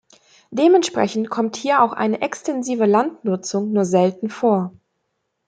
Dementsprechend kommt hier auch eine extensive Landnutzung nur selten vor.